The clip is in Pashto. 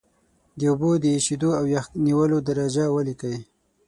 د اوبو د ایشېدو او یخ نیولو درجه ولیکئ.